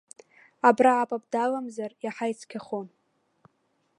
Абра апап даламзар иаҳа ицқьахон.